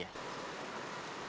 tapi abang gak pernah